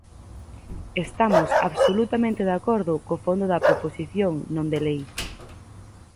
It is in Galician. Estamos absolutamente de acordo co fondo da proposición non de lei.